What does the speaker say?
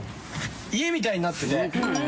家みたいになってて。